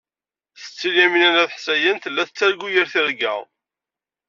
Setti Lyamina n At Ḥsayen tella tettargu yir tirga.